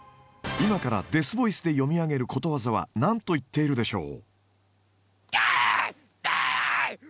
今からデスボイスで読み上げることわざは何と言っているでしょう？